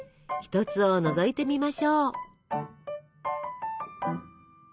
一つをのぞいてみましょう。